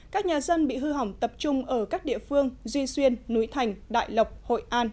các nhà dân bị hư hỏng tập trung ở các địa phương duy xuyên núi thành đại lộc hội an